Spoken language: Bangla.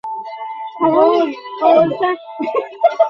সে যে জগমোহনের বক্ষ বিদীর্ণ করিয়া সমস্ত জগৎকে অসীমতায় ছাইয়া ফেলিল।